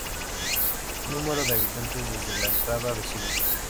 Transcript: Número de habitantes desde la entrada de siglo.